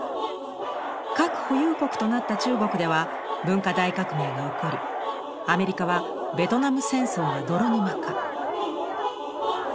核保有国となった中国では文化大革命が起こりアメリカはベトナム戦争が泥沼化。